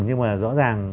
nhưng mà rõ ràng